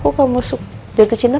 kalau kamu jatuh cinta